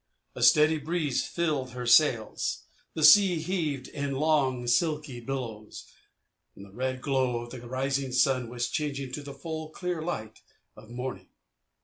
A steady breeze filled her sails. The sea heaved in long, silky billows. The red glow of the rising sun was changing to the full, clear light of morning.